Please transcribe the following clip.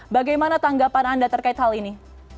bagaimana tanggapan anda terkait hal ini